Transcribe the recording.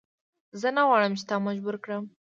زه نه غواړم چې تا مجبور کړم.